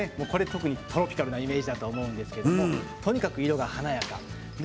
特にトロピカルなイメージだと思うんですけども色が華やかです。